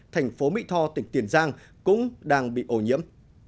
thành phố mỹ tho tỉnh tiền giang cũng đang bị ô nhiễm